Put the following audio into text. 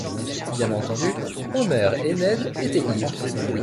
Bien entendu, Homer et Ned étaient ivres.